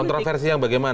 kontroversi yang bagaimana